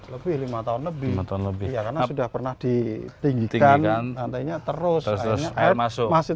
lebih lima tahun lebih karena sudah pernah di tinggi kan nantinya terus terus air masuk masih